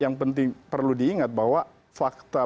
yang penting perlu diingat bahwa fakta partai politik di indonesia